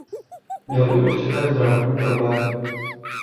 Měl i určité zdravotní problémy.